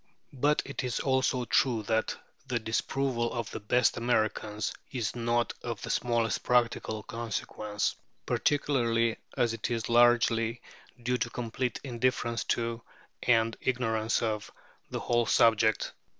But it is also true that the disapproval of the "best Americans" is not of the smallest practical consequence, particularly as it is largely due to complete indifference to, and ignorance of, the whole subject.